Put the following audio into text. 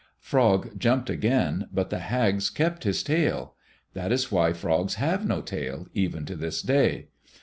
Frog jumped again, but the hags kept his tail. That is why Frogs have no tail, even to this day.